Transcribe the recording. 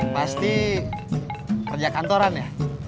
pasti kerja kantoran ya